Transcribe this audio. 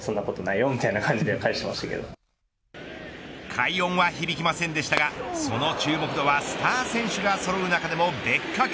快音は響きませんでしたがその注目度はスター選手がそろう中でも別格。